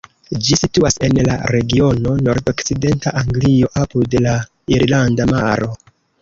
Ĝi situas en la regiono nordokcidenta Anglio, apud la Irlanda Maro.